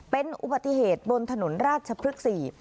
เป็นอุบัติเหตุบนถนนราชพฤกษ์๔